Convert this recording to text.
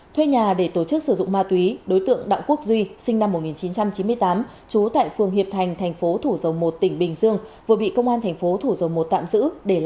thuê nhà để tổ chức sử dụng ma túy đối tượng đặng quốc duy sinh năm một nghìn chín trăm chín mươi tám trú tại phường hiệp thành thành phố thủ dầu một tỉnh bình dương vừa bị công an thành phố thủ dầu một tạm giữ để làm rõ